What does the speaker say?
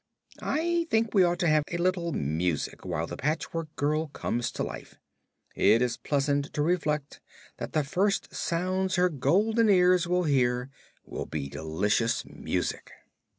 I think we ought to have a little music while the Patchwork Girl comes to life. It is pleasant to reflect that the first sounds her golden ears will hear will be delicious music."